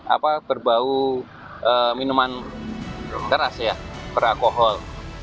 apa berbau minuman keras ya beralkohol